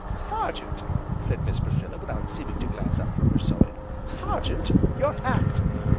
"Sergeant," said Miss Priscilla, without seeming to glance up from her sewing, "Sergeant, your hat!"